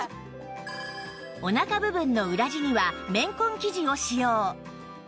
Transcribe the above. お腹部分の裏地には綿混生地を使用